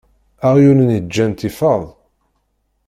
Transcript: Aɣyul-nni ǧǧan-t ifad.